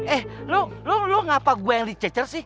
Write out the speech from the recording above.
eh lu lu lu ngapa gue yang dicecer sih